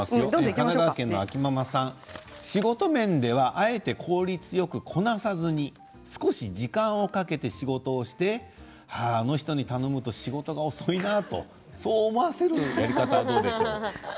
神奈川県の方、仕事の面ではあえて効率よくこなさずに少し時間をかけて仕事をしてあの人に頼むと仕事が遅いなとそう思わせるやり方はどうでしょう。